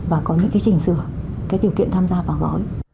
và có những trình sửa các điều kiện tham gia vào gói